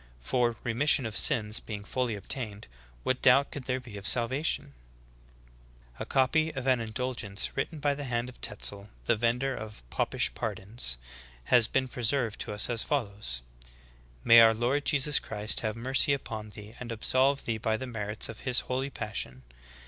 For, remission of sins being fully obtained, what doubt could there be of salvation .'^"^ 18. A copy of an indulgence written by the hand of Tetzel, the vendor of popish pardons, has been preserved to us as follows : ''May our Lord, Jesus Christ, have mercy up on thee and absolve thee by the merits of his most holy passion.